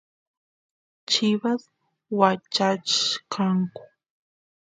chivas wachachkanku